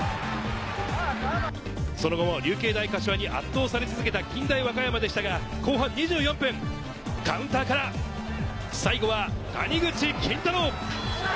その後も流経大柏に圧倒され続けた近大和歌山でしたが、後半２４分、カウンターから最後は谷口金太郎。